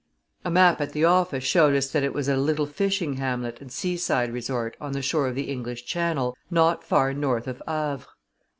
A map at the office showed us that it was a little fishing hamlet and seaside resort on the shore of the English Channel, not far north of Havre.